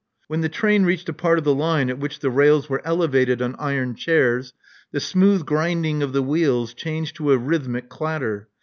When the train reached a part of the line at which the rails were felevated on iron chairs, the smooth grinding of the wheels changed to a rhythmic clatter.